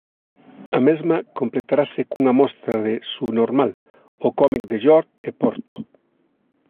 A mesma completarase cunha mostra de Subnormal, o cómic de Llor e Porto.